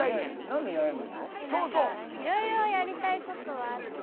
何かいろいろやりたいことはあって。